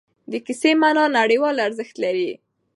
د کیسې معنا نړیوال ارزښت لري.